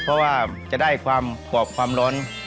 เพราะว่าจะได้ความกรอบความร้อน